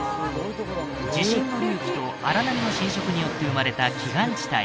地震の隆起と荒波の浸食によって生まれた奇岩地帯